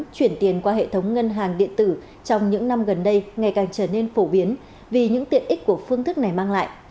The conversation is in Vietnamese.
chuyển tiền qua hệ thống ngân hàng điện tử trong những năm gần đây ngày càng trở nên phổ biến vì những tiện ích của phương thức này mang lại